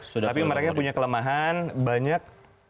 tapi mereka punya kelemahan banyak